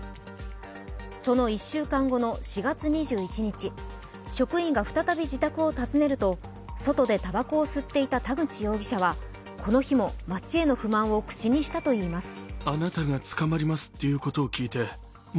その１週間後の４月２１日、職員が再び自宅を訪ねると外でたばこを吸っていた田口容疑者はこの日も、町への不満を口にしたといいます。